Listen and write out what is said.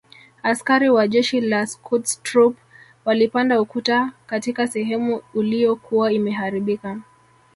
Askari wa jeshi la Schutztruppe walipanda ukuta katika sehemu uliyokuwa imeharibika